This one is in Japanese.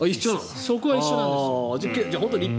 そこは同じなんですよ。